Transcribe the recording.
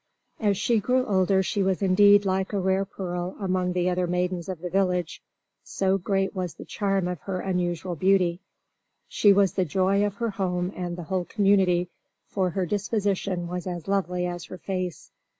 As she grew older she was indeed like a rare pearl among the other maidens of the village, so great was the charm of her unusual beauty. She was the joy of her home and of the whole community for her disposition was as lovely as her face.